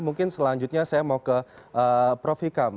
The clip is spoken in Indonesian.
mungkin selanjutnya saya mau ke prof hikam